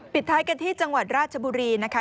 ท้ายกันที่จังหวัดราชบุรีนะคะ